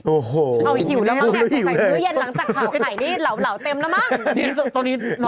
โอ้โฮเอาหิวแล้วตั้งแต่ฟื้อเย็นหลังจากเท่าไหนนี่เหล่าเต็มแล้วมั้ง